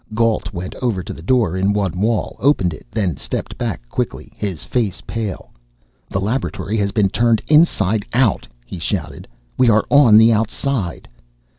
Gault went over to the door in the one wall, opened it, then stepped back quickly, his face pale. "The laboratory has been turned inside out!" he shouted. "We are on the outside!"